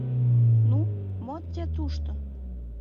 «Ну, мо те тушто.